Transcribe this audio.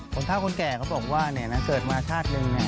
เท่าคนแก่เขาบอกว่าเกิดมาชาติหนึ่ง